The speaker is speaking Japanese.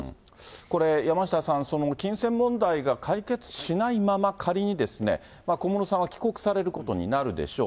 これ、山下さん、金銭問題が解決しないまま、仮に、小室さんは帰国されることになるでしょう。